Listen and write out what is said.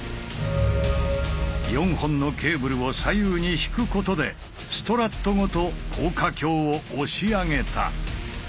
４本のケーブルを左右に引くことでストラットごと高架橋を押し上げた。